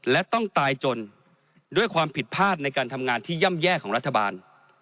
และต้องตายจนด้วยความผิดพลาดในการทำงานที่ย่ำแย่ของรัฐบาล